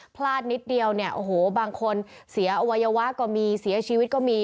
พลาดนิดเดียวเนี่ยโอ้โหบางคนเสียอวัยวะก็มีเสียชีวิตก็มี